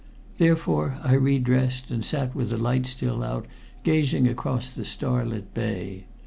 Therefore I redressed and sat with the light still out, gazing across the starlit bay.